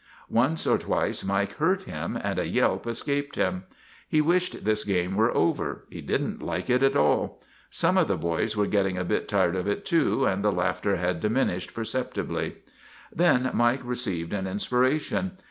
Once or twice Mike hurt him and a yelp escaped him. He wished this game were over ; he did n't like it at all. Some of the boys were getting a bit tired of it, too, and the laughter had diminished perceptibly. Then Mike received an inspiration.